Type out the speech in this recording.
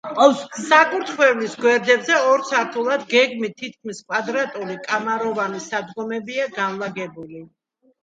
საკურთხევლის გვერდებზე, ორ სართულად, გეგმით თითქმის კვადრატული კამაროვანი სადგომებია განლაგებული.